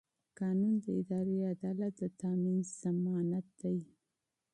قانون د اداري عدالت د تامین ضمانت دی.